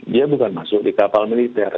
dia bukan masuk di kapal militer